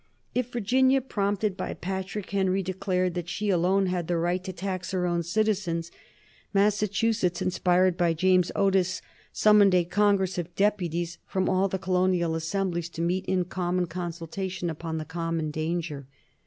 If Virginia, prompted by Patrick Henry, declared that she alone had the right to tax her own citizens, Massachusetts, inspired by James Otis, summoned a congress of deputies from all the colonial assemblies to meet in common consultation upon the common danger.